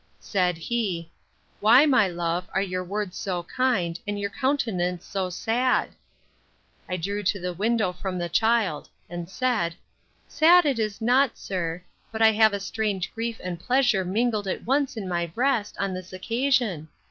Said he, Why, my love, are your words so kind, and your countenance so sad?—I drew to the window from the child; and said, Sad it is not, sir; but I have a strange grief and pleasure mingled at once in my breast, on this occasion.